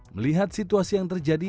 melihat situasi yang terjadi